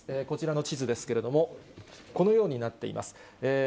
こちらの地図ですけれども、このようになっています。